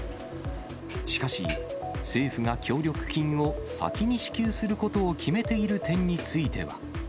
しかし、政府が協力金を先に支給することを決めている点については。